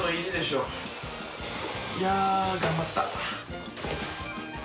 いや頑張った。